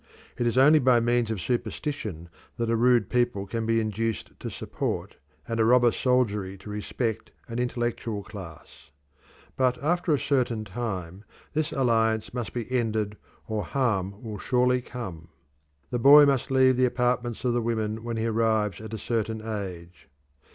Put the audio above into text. It is only by means of superstition that a rude people can be induced to support, and a robber soldiery to respect, an intellectual class. But after a certain time this alliance must be ended, or harm will surely come. The boy must leave the apartments of the women when he arrives at a certain age.